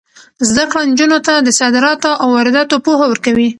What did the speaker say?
زده کړه نجونو ته د صادراتو او وارداتو پوهه ورکوي.